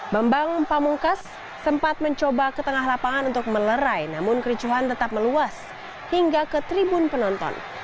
bambang pamungkas sempat mencoba ke tengah lapangan untuk melerai namun kericuhan tetap meluas hingga ke tribun penonton